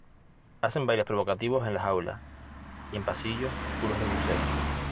Hacen bailes provocativos en la jaula y en pasillos oscuros del museo.